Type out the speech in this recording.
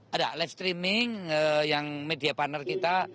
ada live streaming yang media partner kita